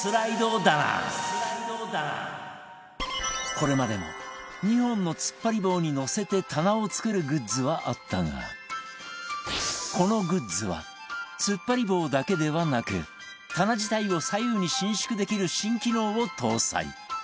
これまでも２本のつっぱり棒にのせて棚を作るグッズはあったがこのグッズはつっぱり棒だけではなく棚自体を左右に伸縮できる新機能を搭載